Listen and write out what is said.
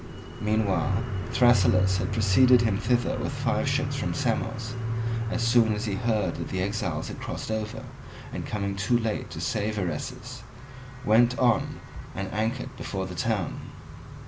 Meanwhile Thrasybulus had preceded him thither with five ships from Samos, as soon as he heard that the exiles had crossed over, and coming too late to save Eresus, went on and anchored before the town.